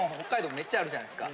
めっちゃあるじゃないですか。